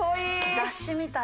雑誌みたい。